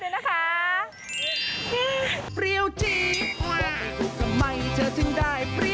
น้ำ